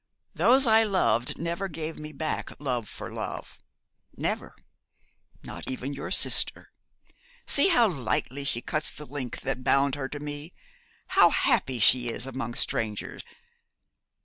Those I loved never gave me back love for love never not even your sister. See how lightly she cuts the link that bound her to me. How happy she is among strangers!